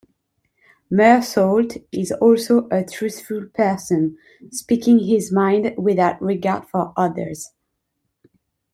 Meursault is also a truthful person, speaking his mind without regard for others.